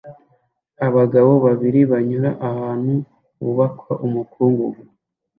Abagabo babiri banyura ahantu hubakwa umukungugu